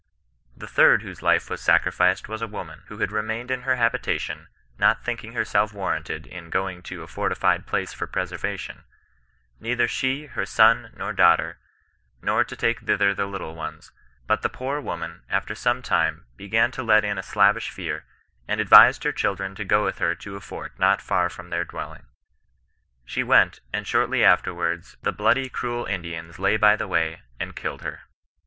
The third whose life was sacrificed was a woman, * who had re mained in her habitation,' not thinking herself warranted in going ' to a fortified place for preservation,' neither she, her son, nor daughter, nor to take thither the little ones : but the poor woman after some time began to let in a slavish fear, and advised her children to go with her to a fort not far from their dwelling. She went ; and shortly afterwards * the bloody, cruel Indians, lay by the way, and killed her.'